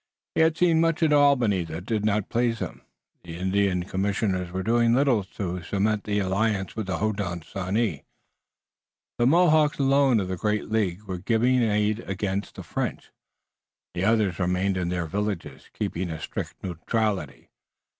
He had seen much at Albany that did not please him. The Indian Commissioners were doing little to cement the alliance with the Hodenosaunee. The Mohawks, alone of the great League, were giving aid against the French. The others remained in their villages, keeping a strict neutrality.